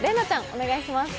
お願いします。